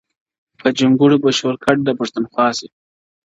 په جونګړو به شور ګډ د پښتونخوا سي؛